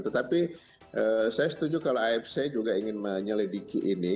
tetapi saya setuju kalau afc juga ingin menyelidiki ini